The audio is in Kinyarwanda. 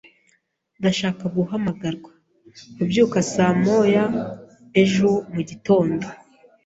Ndashaka guhamagarwa kubyuka saa moya ejo mugitondo.